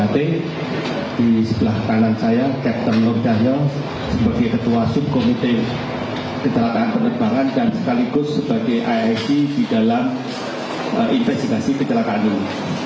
di sebelah kanan saya kapten nur dahliong sebagai ketua subkomite ketelakaan perlembaran dan sekaligus sebagai aip di dalam investigasi ketelakaan ini